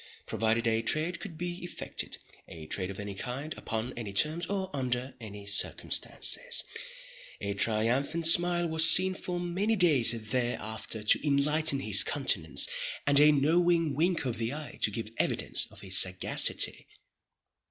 Provided a trade could be effected—a trade of any kind, upon any terms, or under any circumstances—a triumphant smile was seen for many days thereafter to enlighten his countenance, and a knowing wink of the eye to give evidence of his sagacity.